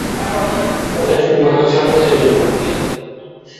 এটা শুধুমাত্র ছাত্রদের জন্য।